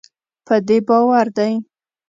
په دې باور دی